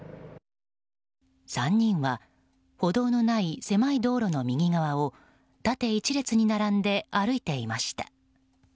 ３人は歩道のない狭い道路の右側を縦一列に並んで歩いていました。